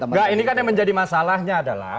enggak ini kan yang menjadi masalahnya adalah